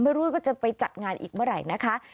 ไม่รู้ว่าจะไปจัดงานอีกเมื่อไหร่นะคะ